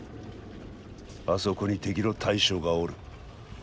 あそこに敵の大将がおる。